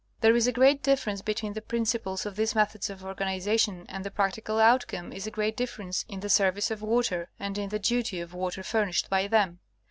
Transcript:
There is a great difference between the principles of these methods of organization, and the practical outcome is a great difference in the service of water and in the duty of water furnished by them.